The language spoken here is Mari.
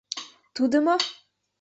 Тудо мо?